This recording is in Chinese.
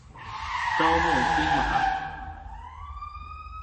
招募兵马。